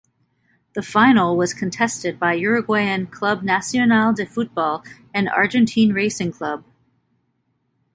The final was contested by Uruguayan Club Nacional de Football and Argentine Racing Club.